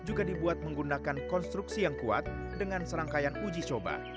juga dibuat menggunakan konstruksi yang kuat dengan serangkaian uji coba